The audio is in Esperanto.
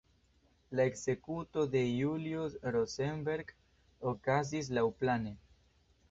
La ekzekuto de Julius Rosenberg okazis laŭplane.